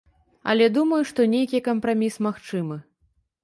Але думаю, што нейкі кампраміс магчымы.